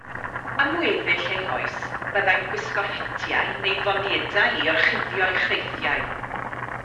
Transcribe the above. Am weddill ei hoes, byddai'n gwisgo hetiau neu fonedau i orchuddio'i chreithiau.